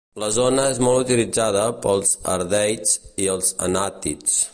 La zona és molt utilitzada pels ardeids i els anàtids.